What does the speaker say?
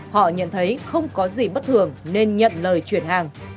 họ nhận thấy không có gì bất thường nên nhận lời chuyển hàng